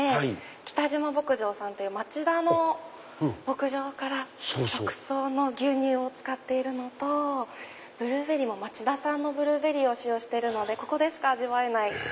北島牧場さんという町田の牧場から直送の牛乳を使っているのとブルーベリーも町田産を使用してるのでここでしか味わえない。